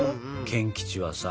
賢吉はさ。